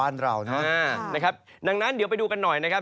บ้านเรานะครับดังนั้นเดี๋ยวไปดูกันหน่อยนะครับ